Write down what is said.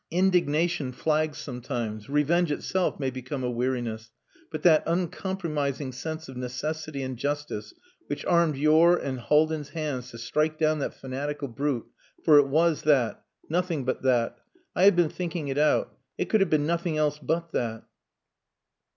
Indignation flags sometimes, revenge itself may become a weariness, but that uncompromising sense of necessity and justice which armed your and Haldin's hands to strike down that fanatical brute...for it was that nothing but that! I have been thinking it out. It could have been nothing else but that."